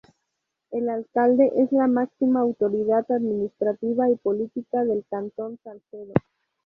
El Alcalde es la máxima autoridad administrativa y política del Cantón Salcedo.